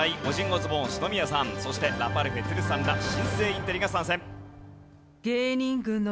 オズボーン篠宮さんそしてラパルフェ都留さんら新星インテリが参戦。